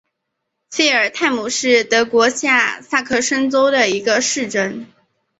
费尔泰姆是德国下萨克森州的一个市镇。